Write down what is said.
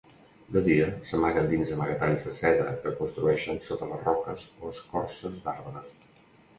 De dia, s'amaguen dins amagatalls de seda que construeixen sota les roques o escorces d'arbres.